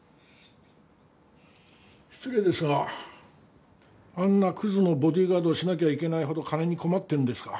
失礼ですがあんなクズのボディーガードをしなきゃいけないほど金に困ってるんですか？